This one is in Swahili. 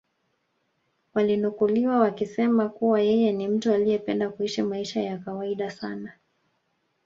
walinukuliwa wakisema kuwa yeye ni mtu aliyependa kuishi maisha ya kawaida sana